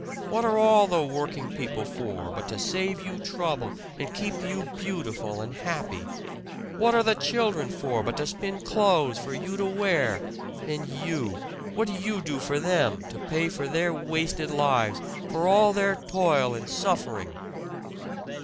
What are all the working people for but to save you trouble and keep you beautiful and happy? What are the children for but to spin clothes for you to wear? And you what do you do for them, to pay for their wasted lives, for all their toil and suffering?"